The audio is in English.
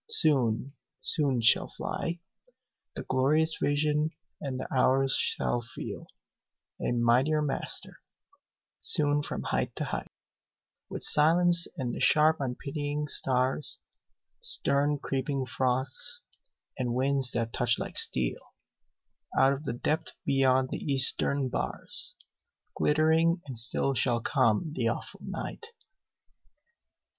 Soon, soon shall fly The glorious vision, and the hours shall feel A mightier master; soon from height to height, With silence and the sharp unpitying stars, Stern creeping frosts, and winds that touch like steel, Out of the depth beyond the eastern bars, Glittering and still shall come the awful night.